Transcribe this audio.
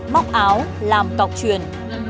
móc áo làm cọc truyền